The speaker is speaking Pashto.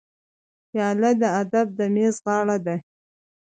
پیاله د ادب د میز غاړه ده.